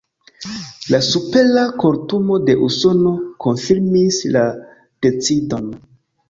La Supera Kortumo de Usono konfirmis la decidon.